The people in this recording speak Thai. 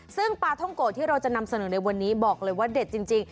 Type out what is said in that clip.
ซึ่งปลาท่องโกะที่เราจะนำเสนอในวันนี้บอกเลยว่าเด็ดจริง